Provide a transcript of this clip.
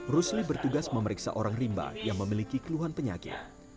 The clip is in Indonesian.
rusli bertugas memeriksa orang rimba yang memiliki keluhan penyakit